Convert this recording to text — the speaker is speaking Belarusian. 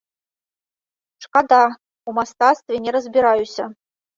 Шкада, у мастацтве не разбіраюся.